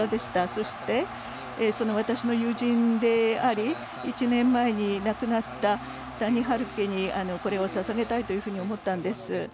そして、私の友人であり１年前に亡くなったダニ・ハルケにこれをささげたいというふうに思ったんです。